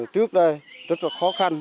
trước đây rất là khó khăn